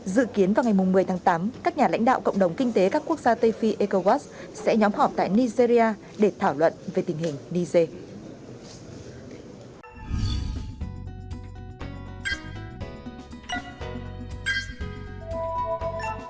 dự kiến vào ngày một mươi tháng tám các nhà lãnh đạo cộng đồng kinh tế các quốc gia tây phi ecowas sẽ nhóm họp tại nigeria để thảo luận về tình hình niger